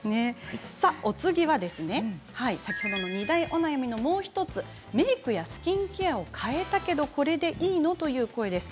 お次は二大お悩みのもう１つ、メークやスキンケアを変えたけどこれでいいの？という声です。